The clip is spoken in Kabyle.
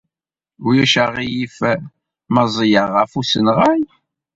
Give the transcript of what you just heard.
Ulac aɣilif ma ẓẓleɣ ɣef usenɣay?